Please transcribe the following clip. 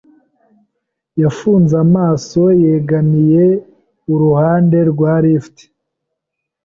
yafunze amaso yegamiye uruhande rwa lift.